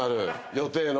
予定の。